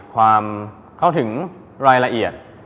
ความเข้าถึงรายละเอียด